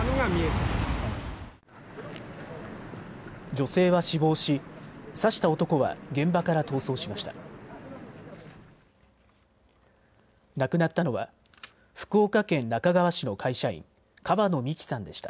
女性は死亡し刺した男は現場から逃走しました。